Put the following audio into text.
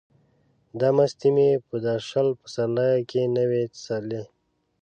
دا مستې مې په دا شل پسرلیه کې نه وې څښلې.